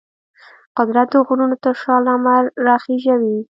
قدرت د غرونو تر شا لمر راخیژوي.